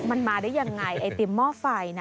มันมาได้ยังไงไอติมหม้อไฟนะ